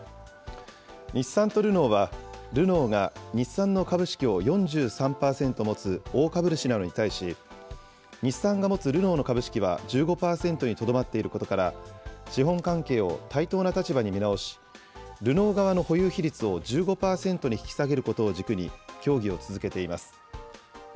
日産とルノーは、ルノーが日産の株式を４３％持つ大株主なのに対し、日産が持つルノーの株式は１５％にとどまっていることから、資本関係を対等な立場に見直し、ルノー側の保有比率を１５％に引き下げることを軸に、協議を続けています。